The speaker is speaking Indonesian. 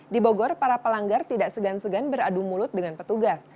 di bogor para pelanggar tidak segan segan beradu mulut dengan petugas